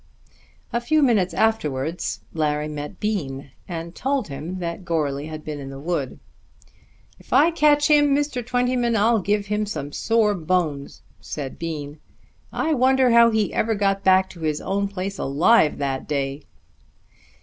A few minutes afterwards Larry met Bean, and told him that Goarly had been in the wood. "If I catch him, Mr. Twentyman, I'll give him sore bones," said Bean. "I wonder how he ever got back to his own place alive that day."